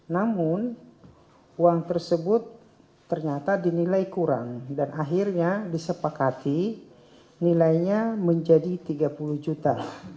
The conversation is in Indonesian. namun uang tersebut ternyata dinilai kurang dan akhirnya disepakati nilainya menjadi tiga puluh juta